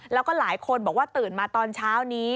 แล้วก็หลายคนบอกว่าตื่นมาตอนเช้านี้